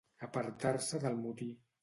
Apartar-se del motí.